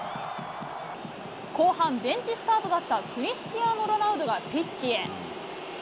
後半、ベンチスタートだったクリスティアーノ・ロナウドがピッチへ。